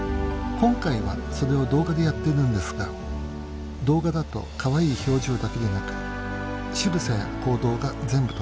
今回はそれを動画でやっているんですが動画だとかわいい表情だけでなくしぐさや行動が全部撮れる。